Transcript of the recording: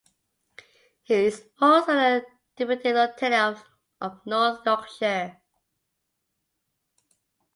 He is also a Deputy Lieutenant of North Yorkshire.